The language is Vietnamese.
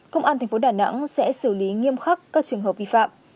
công an thành phố đà nẵng sẽ xử lý nghiêm khắc các trường hợp vi phạm